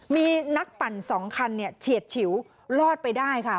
มีนักปั่น๒คันเฉียดฉิวรอดไปได้ค่ะ